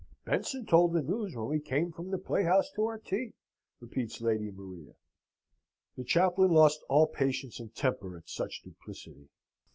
"Benson told the news when we came from the playhouse to our tea," repeats Lady Maria. The chaplain lost all patience and temper at such duplicity.